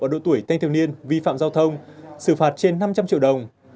ở độ tuổi thanh thiếu niên vi phạm giao thông xử phạt trên năm trăm linh triệu đồng